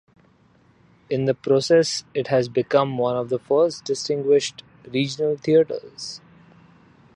In the process it has become one of the first distinguished regional theatres.